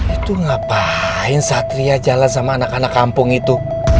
itu ngapain satria jalan sama anak anak kampung itu